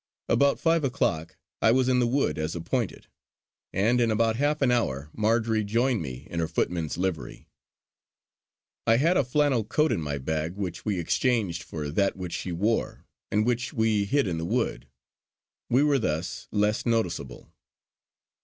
About five o'clock I was in the wood as appointed; and in about half an hour Marjory joined me in her footman's livery. I had a flannel coat in my bag which we exchanged for that which she wore and which we hid in the wood. We were thus less noticeable.